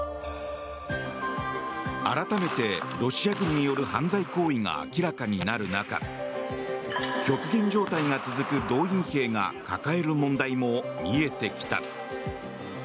改めてロシア軍による犯罪行為が明らかになる中極限状態が続く動員兵が抱える問題も見えてきた。